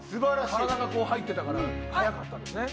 体がこう入ってたから速かったんですね。